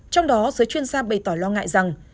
trong đó giới chuyên gia bày tỏ lo ngại rằng